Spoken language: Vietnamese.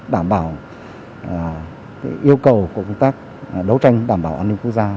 đảm bảo yêu cầu của công tác đấu tranh đảm bảo an ninh quốc gia